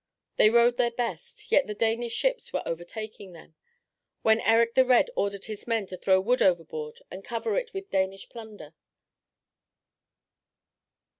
They rowed their best, yet the Danish ships were overtaking them, when Erik the Red ordered his men to throw wood overboard and cover it with Danish plunder.